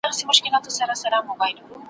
خیال چي مي سندري شر نګولې اوس یې نه لرم ,